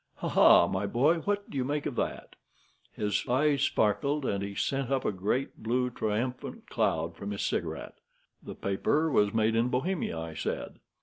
Ha! ha! my boy, what do you make of that?" His eyes sparkled, and he sent up a great blue triumphant cloud from his cigarette. "The paper was made in Bohemia," I said.